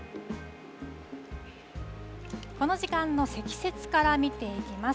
この時間の積雪から見ていきます。